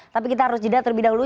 tapi kita harus jeda terlebih dahulu